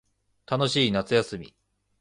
楽しい夏休み